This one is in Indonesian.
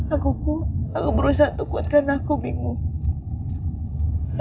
aku pun aku berusaha untuk kuat karena aku bingung